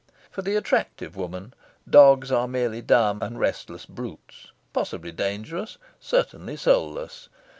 For the attractive woman, dogs are mere dumb and restless brutes possibly dangerous, certainly soulless.